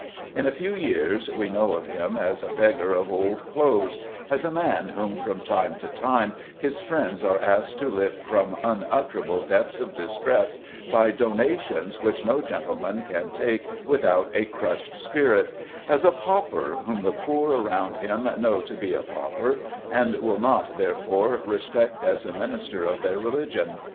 In a few years we know of him as a beggar of old clothes, as a man whom from time to time his friends are asked to lift from unutterable depths of distress by donations which no gentleman can take without a crushed spirit as a pauper whom the poor around him know to be a pauper, and will not, therefore, respect as a minister of their religion.